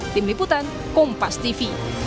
tim liputan kompas tv